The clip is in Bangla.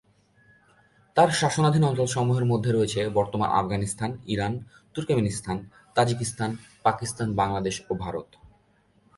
তার শাসনাধীন অঞ্চলসমূহের মধ্যে রয়েছে বর্তমান Afghanistan, Iran, Turkmenistan, Tajikistan, Pakistan, Bangladesh ও ভারত।